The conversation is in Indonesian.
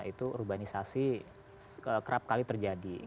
itu urbanisasi kerap kali terjadi